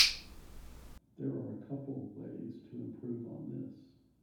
There are a couple ways to improve on this.